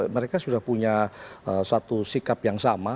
mereka sudah punya satu sikap yang sama